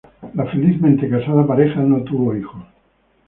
La felizmente casada pareja no tuvo hijos.